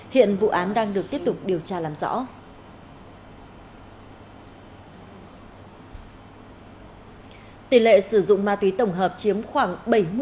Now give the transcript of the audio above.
điều đoán đang được tiếp tục điều tra làm rõ tỷ lệ sử dụng ma túy tổng hợp chiếm khoảng bảy mươi bảy mươi năm